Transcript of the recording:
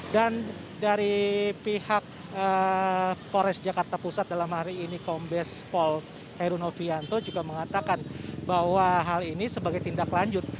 dan dari pihak pores jakarta pusat dalam hari ini kombes pol heru novianto juga mengatakan bahwa hal ini sebagai tindak lanjut